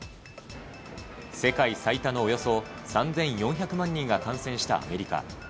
世界最多のおよそ３４００万人が感染したアメリカ。